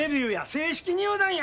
正式入団や！